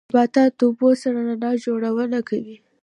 نبات د اوبو سره رڼا جوړونه کوي